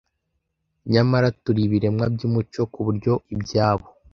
Nyamara turi ibiremwa byumuco kuburyo ibyabo